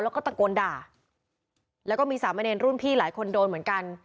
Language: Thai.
แล้วก็ตะโกนด่าแล้วก็มีสามเณรรุ่นพี่หลายคนโดนเหมือนกัน